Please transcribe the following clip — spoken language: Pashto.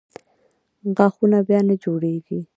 غاښونه بیا نه جوړېږي.